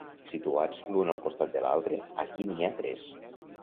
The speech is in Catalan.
Situats l'un al costat de l'altre, aquí n'hi ha tres.